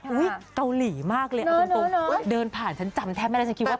อุ้ยเกาหลีมากเลยเอาจริงเดินผ่านฉันจำแทบไม่ได้แล้ว